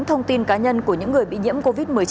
thông tin cá nhân của những người bị nhiễm covid một mươi chín